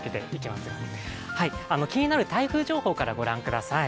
気になる台風情報からご覧ください。